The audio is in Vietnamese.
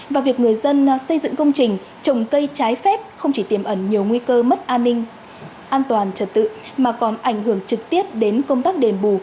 và việc người dân xây dựng công trình trồng cây trái phép không chỉ tiềm ẩn nhiều nguy cơ mất an ninh an toàn trật tự mà còn ảnh hưởng trực tiếp đến công tác đền bù